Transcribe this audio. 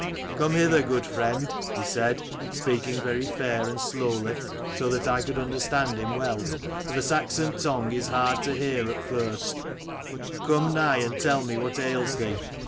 " 'Come hither, good friend,' he said, speaking very fair and slowly, so that I could understand him well, for the Saxon tongue is hard to hear at first: 'Come nigh and tell me what ails thee.'